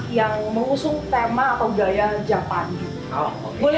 ini yang mengusung tema atau gaya japandi